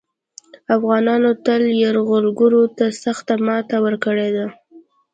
افغانانو تل یرغلګرو ته سخته ماته ورکړې ده